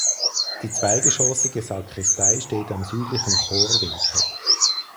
Die zweigeschoßige Sakristei steht am südlichen Chorwinkel.